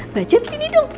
mbak jen sini dong